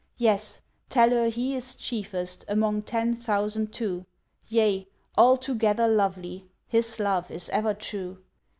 Yes, tell her He is chiefest 'Among ten thousand' too, Yea, 'altogether lovely,' His Love is ever true.